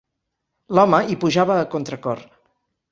L'home hi pujava a contracor.